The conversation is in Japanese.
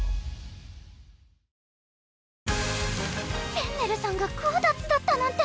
フェンネルさんがゴーダッツだったなんて